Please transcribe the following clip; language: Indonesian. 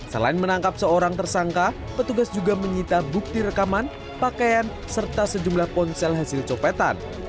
selain menangkap seorang tersangka petugas juga menyita bukti rekaman pakaian serta sejumlah ponsel hasil copetan